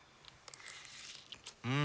うん！